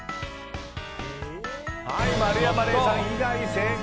丸山礼さん以外、全員正解！